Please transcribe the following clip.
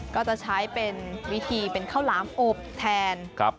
ก็จะใช้เป็นวิธีเป็นข้าวหลามอบแทน